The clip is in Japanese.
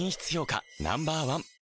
Ｎｏ．１